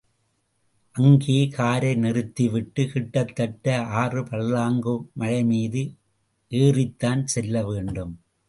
அங்கே காரை நிறுத்திவிட்டு கிட்டத்தட்ட ஆறு பர்லாங்கு மலைமீது ஏறித்தான் செல்ல வேண்டும்.